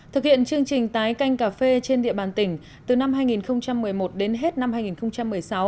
thực hiện chương trình tái canh cà phê trên địa bàn tỉnh từ năm hai nghìn một mươi một đến hết năm hai nghìn một mươi sáu